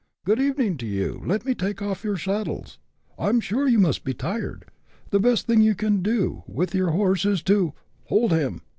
— good evening to you ; let me take ofF your saddles : I 'm sure you must be tired. The best thing you can do with your horse is to — Hold him